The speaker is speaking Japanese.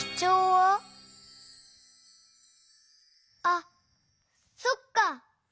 あっそっか！